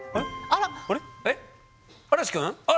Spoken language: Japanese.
あら！